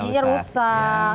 oh jadinya rusak